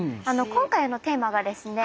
今回のテーマがですね